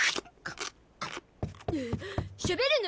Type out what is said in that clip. しゃべるの？